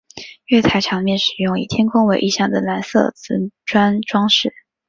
月台墙面使用以天空为意象的蓝色磁砖装饰。